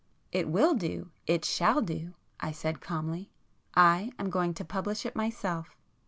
"It will do, it shall do;"—I said calmly—"I am going to publish it myself."